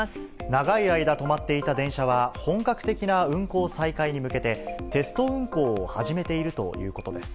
長い間、止まっていた電車は、本格的な運行再開に向けて、テスト運行を始めているということです。